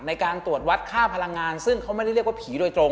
ในการตรวจวัดค่าพลังงานซึ่งเขาไม่ได้เรียกว่าผีโดยตรง